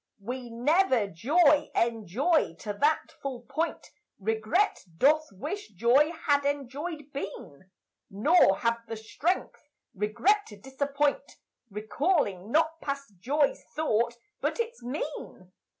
We never joy enjoy to that full point Regret doth wish joy had enjoyèd been, Nor have the strength regret to disappoint Recalling not past joy's thought, but its mien.